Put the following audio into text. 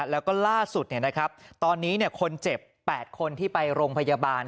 แล้วก็ล่าสุดตอนนี้คนเจ็บ๘คนที่ไปโรงพยาบาล